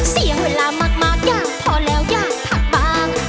เสี่ยงเวลามากมากยากพอแล้วยากทักบาง